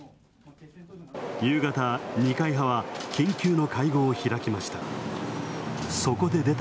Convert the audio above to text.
夕方、二階派は緊急の会合を開きました。